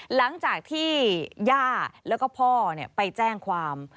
หลังจากที่ย่าแล้วก็พ่อไปแจ้งความ